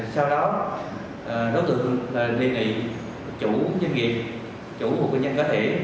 sau đó đối tượng liên lị chủ doanh nghiệp chủ của công nhân cá thể